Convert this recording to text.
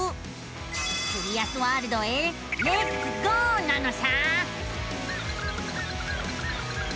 キュリアスワールドへレッツゴーなのさあ。